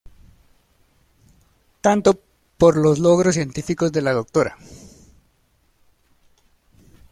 Tanto por los logros científicos de la Dra.